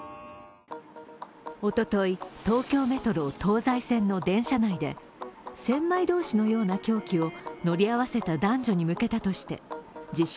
おととい、東京メトロ東西線の電車内で千枚通しのような凶器を乗り合わせた男女に向けたとして自称